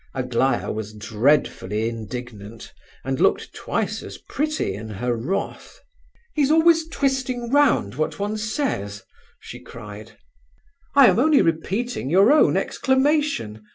Aglaya was dreadfully indignant, and looked twice as pretty in her wrath. "He's always twisting round what one says," she cried. "I am only repeating your own exclamation!"